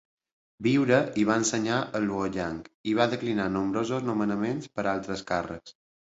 Viure i va ensenyar a Luoyang, i va declinar nombrosos nomenaments per a alts càrrecs.